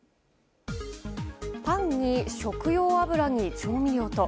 パンに食用油に調味料と。